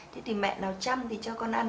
thế thì mẹ nào chăm thì cho con ăn